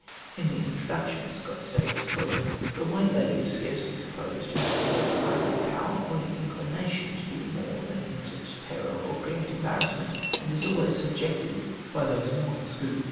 In the Introduction Scott states: "The White Lady is scarcely supposed to have possessed either the power or the inclination to do more than inflict terror or create embarrassment, and is always subjected by those mortals who